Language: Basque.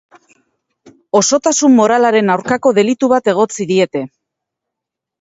Osotasun moralaren aurkako delitu bat egotzi diete.